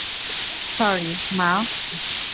Sorry, মা।